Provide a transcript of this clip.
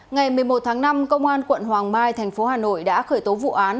ngày một mươi một tháng năm công an quận hoàng mai thành phố hà nội đã khởi tố vụ án